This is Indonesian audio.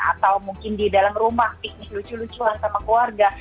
atau mungkin di dalam rumah piknis lucu lucuan sama keluarga